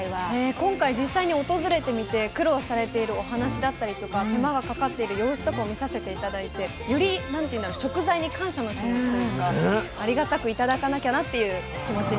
今回実際に訪れてみて苦労されているお話だったりとか手間がかかっている様子とかを見させて頂いてより食材に感謝の気持ちというかありがたく頂かなきゃなっていう気持ちになりました。